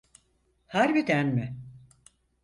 Harbiden mi?